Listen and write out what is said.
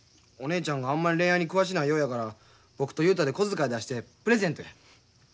お姉ちゃんがあんまり恋愛に詳しないようやから僕と雄太で小遣い出してプレゼントや。